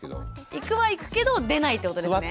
行くは行くけど出ないってことですね。